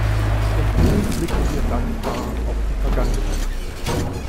Und nun blicken wir dankbar auf die Vergangenheit zurück.